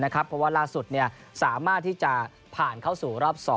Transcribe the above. เพราะว่าล่าสุดสามารถที่จะผ่านเข้าสู่รอบ๒